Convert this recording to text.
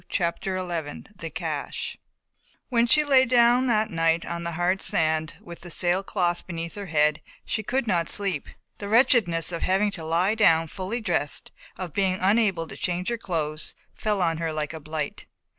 CHAPTER XI THE CACHE When she lay down that night on the hard sand, with the sailcloth beneath her head, she could not sleep. The wretchedness of having to lie down fully dressed, of being unable to change her clothes, fell on her like a blight.